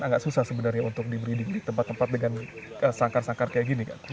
agak susah sebenarnya untuk diberi tempat tempat dengan sangkar sangkar kayak gini kan